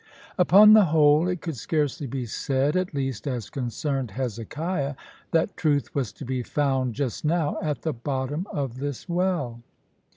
Upon the whole, it could scarcely be said, at least as concerned Hezekiah, that truth was to be found, just now, at the bottom of this well.